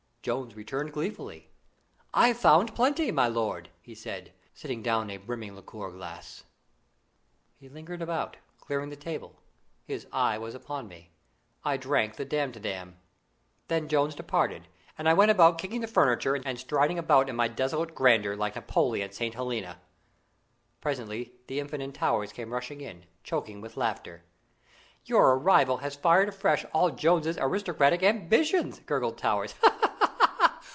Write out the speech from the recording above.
Jones returned gleefully. "I've found plenty, my lord," he said, setting down a brimming liqueur glass. He lingered about, clearing the table. His eye was upon me. I drank the Damtidam. Then Jones departed, and I went about kicking the furniture, and striding about in my desolate grandeur, like Napoleon at St. Helena. Presently the Infant and Towers came rushing in, choking with laughter. "Your arrival has fired afresh all Jones's aristocratic ambitions," gurgled Towers. "Ha! ha! ha!"